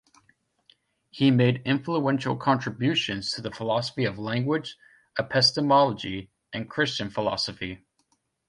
He made influential contributions to the philosophy of language, epistemology, and Christian philosophy.